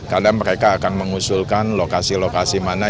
karena mereka akan mengusulkan lokasi lokasi mana